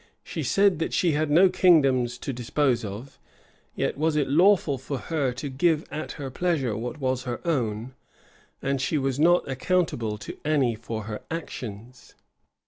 She said that she had no kingdoms to dispose of; yet was it lawful for her to give at her pleasure what was her own, and she was not accountable to any for her actions.